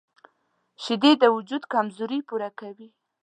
شیدې د وجود کمزوري پوره کوي